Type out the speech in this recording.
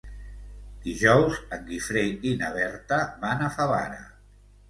Dijous en Guifré i na Berta van a Favara.